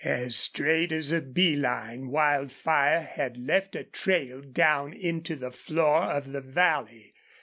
As straight as a bee line Wildfire had left a trail down into the floor of the valley.